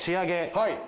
はい。